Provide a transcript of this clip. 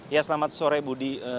ya selamat sore budi